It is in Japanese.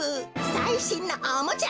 さいしんのおもちゃ。